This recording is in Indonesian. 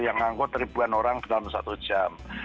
yang ngangkut ribuan orang dalam satu jam